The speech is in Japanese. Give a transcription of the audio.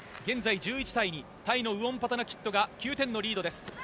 現在１１対２ウオンパタナキットが９点のリード。